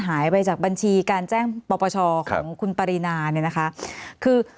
หายไปจากบัญชีการแจ้งปปชของคุณปรินาเนี่ยนะคะคือ